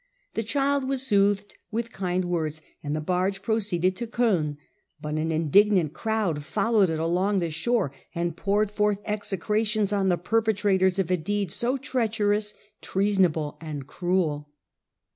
The child was soothed with kind words, and the barge proceeded to Coin, but an indignant crowd followed it along the shore and poured forth execrations on the perpetrators of a deed so treacherous, treasonable, and cruel.